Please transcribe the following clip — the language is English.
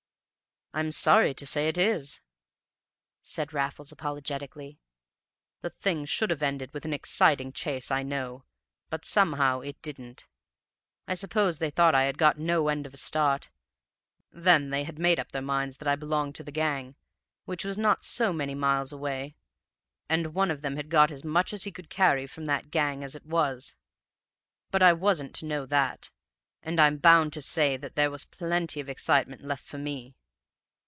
"I'm sorry to say it is," said Raffles apologetically. "The thing should have ended with an exciting chase, I know, but somehow it didn't. I suppose they thought I had got no end of a start; then they had made up their minds that I belonged to the gang, which was not so many miles away; and one of them had got as much as he could carry from that gang as it was. But I wasn't to know all that, and I'm bound to say that there was plenty of excitement left for me.